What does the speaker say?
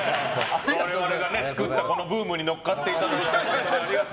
我々が作ったこのブームに乗っかっていただいて。